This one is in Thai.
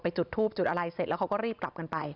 จุดทูบจุดอะไรเสร็จแล้วเขาก็รีบกลับกันไป